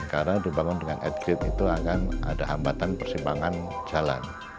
karena dibangun dengan at grade itu akan ada hambatan persimpangan jalan